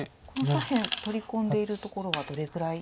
左辺取り込んでいるところがどれぐらい。